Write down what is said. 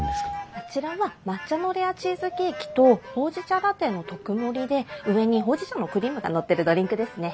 あちらは抹茶のレアチーズケーキとほうじ茶ラテの特盛りで上にほうじ茶のクリームがのってるドリンクですね。